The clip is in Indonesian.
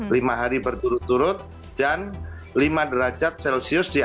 lima hari berturut turut dan lima derajat celsius di atas suhu panas